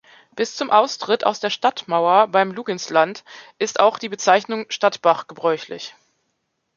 Bis zum Austritt aus der Stadtmauer beim Luginsland ist auch die Bezeichnung Stadtbach gebräuchlich.